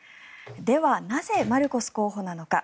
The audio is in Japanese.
ではなぜマルコス候補なのか。